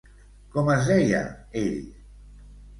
Com es deia, ell?